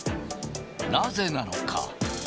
なぜなのか。